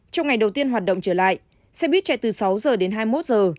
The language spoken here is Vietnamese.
trong ngày đầu tiên hoạt động trở lại xe buýt chạy từ sáu giờ đến hai mươi một giờ